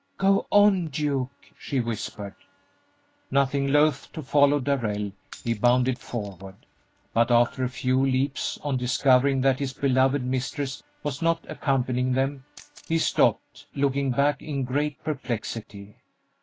"Go on, Duke!" she whispered. Nothing loath to follow Darrell, he bounded forward, but after a few leaps, on discovering that his beloved mistress was not accompanying them, he stopped, looking back in great perplexity.